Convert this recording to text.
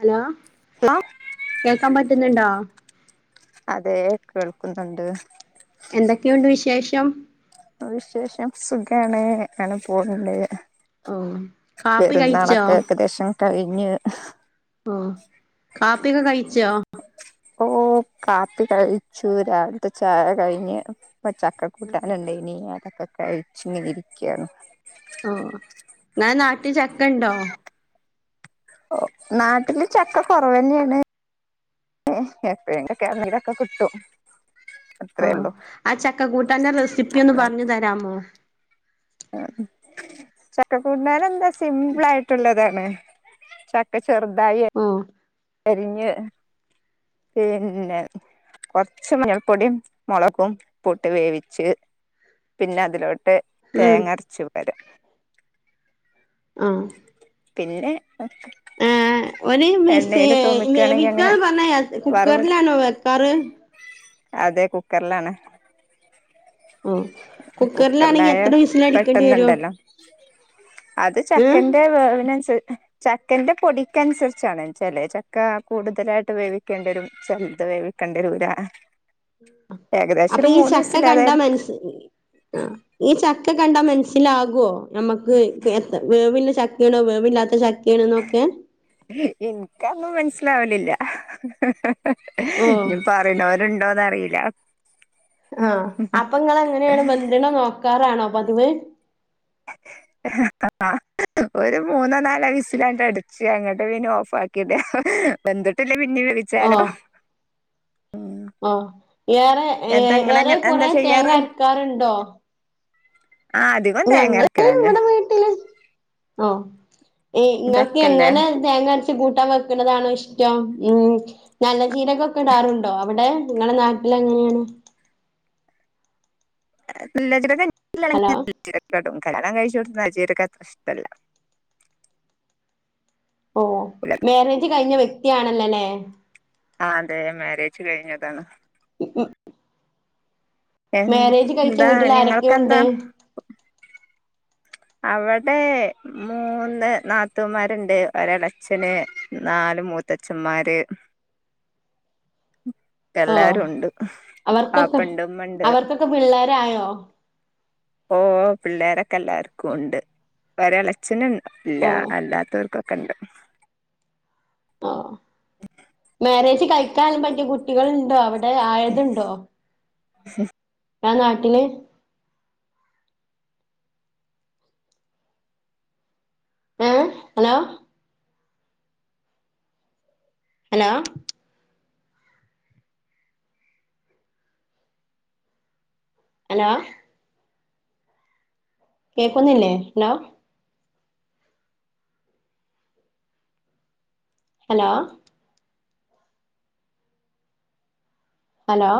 Hello hello കേക്കാൻ പറ്റുന്നുണ്ടോ? അതെ കേൾക്കുന്നുണ്ട് എന്തൊക്കെയുണ്ട് വിശേഷം വിശേഷം സുഖണ് ആനെ പോണണ്ട് ഓ കാപ്പി കഴിച്ചോ പെരുന്നാളൊക്കെ ഏകദേശം കഴിഞ്ഞ് ഓ കാപ്പിഒക്കെ കഴിച്ചോ? ഓ കാപ്പി കഴിച്ചു. രവിലത്തെ ചായ കഴിഞ്ഞ്. പ ച്ചക്കകൂട്ടാണ്ടായിരുന്നു ഇനി അതക്കെ കഴിച്ചിങ്ങിതിരിക്കുകയാണ് ഓ ന്ന നാട്ടിൽ ചക്ക ഉണ്ടോ ഓ നാട്ടില് ചക്ക കുറവന്നെയാണ് എപ്പോഴ കിരങ്ങീരൊക്കെ കിട്ടും ഓ അത്രേ ഉള്ളൂ ആ ചക്ക കൂട്ടന്നന്റെ റെസിപ്പി ഒന്ന് പറഞ്ഞു തരാമോ ആ ചക്ക കൂട്ടാര എന്താ സിംപിൾ ആയിട്ടുള്ളതാണ് ചക്ക ചെറുതായി ഓ അരിഞ്ഞഞ് പിന്നെ കൊറച്ച് മഞ്ഞൾപ്പൊടിയും മുളകും ഉപ്പ്ട്ട് വേവിച്ച് പിന്നെ അതിലോട്ട് ഉം തേങ്ങരച്ചത് വരെ ആഹ പിന്നെ ഏ ഒരു മിസ് എണ്ണയിൽ തൂമിക്കുകയാണെങ്കിൽ അങ്ങനെ വിിക്കന്ന് പറഞ്ഞ വറവിട കുക്കറിലാണോ വെക്കാറ് അതെ കുക്കറിലാണ് ഓ കുക്കറിലാണെങ്കി കുക്കറിലായ എത്ര വിസിലടിക്കേണ്ടി വരും പെട്ടന്നണ്ടല്ലോ അത് ഏ ചക്കന്റെ വേവിനു ചക്കന്റെ പൊടിക്കനുസരിച്ചാണ് ചില ചക്ക കൂടുതലായിട്ട് വേവിക്കേണ്ടരും ചെലത് വേവിക്കണ്ടിരൂരാ അപ്പൊ ഈ ചക്ക കണ്ട ഏതായാലും മനസ് ആഹ്‌ ഈ ചക്ക കണ്ടാ മനസ്സിലാകുവോ നമ്മക്ക് ഏഹ് വേവ് ഇല ചക്ക ക്കാണോ വേവില്ലാത്ത ചക്കാനുനൊക്കെ എനിക്കന്നും മനസ്സിലാവലില്ല ആഹ് ഓഹ് ഇനി പറയണവരുണ്ടോന്ന്റിയില്ല ആഹ്‌ അപ്പൊ ഇങ്ങൾ എങ്ങനെയാണ് വെന്തുനോ നോക്കാറാണോ പതിവേ ആഹ്‌ ഒരു മൂന്നോ നാലോ വിസിലട് അടിച്ച് അങ്ങോട്ട പിന ഓഫ് ആക്കില്ലേ വന്ദിട്ടിലാക്കി പിന്നെ വേവിച്ച ആഹ് ആഹ് യരെ എന്താ ഏഹ്‌ ഇങ്ങളെങ്ങ ഏറെ കുറെേ തേങ്ങ അരക്കാറുണ്ടോ ആഹ്‌ അധികം തേങ്ങറക്കലന്നെ ഓഹ്‌ നിങ്ങൾക് ചക്കല്ലേ എങ്ങനെ തേങ്ങ കൂട്ടാൻ വെക്കുന്നതാണോ ഇഷ്ടം ഉം നല്ല ചീരകൊക്കെ ഇടാറുണ്ടോ അവിടെ നിങ്ങളെ നാട്ടിൽ എങ്ങനെയാണ് നല്ലജീരാഗം ഹലോ ഒക്കെ ഇടും കല്യാണം കഴിച്ചോട്ത് നല്ലജീരാഗം അത്ര ഇഷ്ട്ടല്ല ഓഹ് മേരജ് കഴിഞ്ഞ വ്യക്തിയാണല്ലോല്ലേ ആഹ്‌ അതെ മാരേജ് കഴിഞ്ഞതാണ് ഉം മാരേജ് കഴിച്ച എന്താ വീട്ടിൽ ആരൊക്കെയ ഉണ്ട് നിങ്ങൾക്കെന്താ അവിടെ മൂന്ന് നാത്തൂമാരുണ്ട് ഒരാള അച്ഛന് നാല് മൂത്തച്ഛന്മാര് [unintelligible] എല്ലാരും ഉണ്ട് പാപ്പണ്ട് ഉമ്മണ്ട് ഒക്കെ പിള്ളേരായോ ഓഹ്‌ പിള്ളേരൊക്കെ എല്ലാവർക്കും ഉണ്ട് ഒരളച്ചനും ഇല്ല ഓ അല്ലാത്തവർക്കൊക്കെ കണ്ട് ഓഹ്‌ മാരേജ് കഴിക്കാലും പറ്റിയ കുട്ടികളുണ്ടോ അവിടെ ആയതുണ്ടോ ഹും ഇങ്ങളെ നാട്ടിൽ ഏഹ്‌ ഹലോ ഹലോ ഹലോ കേൾക്കുന്നില്ലേ ഹലോ ഹലോ ഹലോ